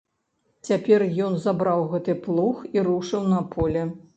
Цяпер ён забраў гэты плуг і рушыў на поле.